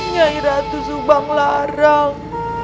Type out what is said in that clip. nyai ratu subanglarang